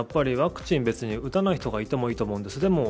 ワクチンを打たない人がいてもいいと思うんです。